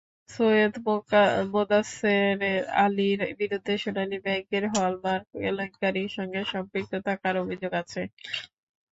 সৈয়দ মোদাচ্ছের আলীর বিরুদ্ধে সোনালী ব্যাংকের হল-মার্ক কেলেঙ্কারির সঙ্গে সম্পৃক্ত থাকার অভিযোগ আছে।